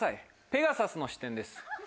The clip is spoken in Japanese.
ペガサスの視点です。